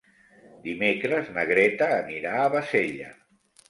Dimecres na Greta anirà a Bassella.